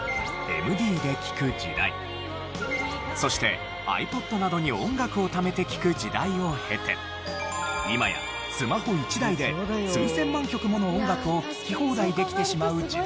そしてｉＰｏｄなどに音楽をためて聴く時代を経て今やスマホ１台で数千万曲もの音楽を聴き放題できてしまう時代に。